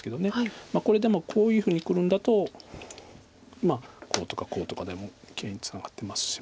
これでもこういうふうにくるんだとこうとかこうとかでもきれいにツナがってますし。